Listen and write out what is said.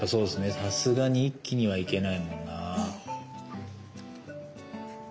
さすがに一気には行けないもんな。